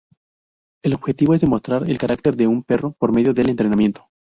El objetivo es demostrar el carácter de un perro por medio del entrenamiento.